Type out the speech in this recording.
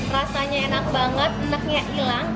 rasanya enak banget enaknya hilang